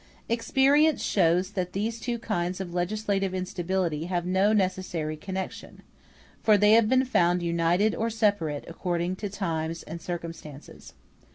Experience shows that these two kinds of legislative instability have no necessary connection; for they have been found united or separate, according to times and circumstances.